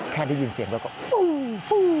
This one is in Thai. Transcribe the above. แค่ได้ยินเสียงแล้วก็ฟู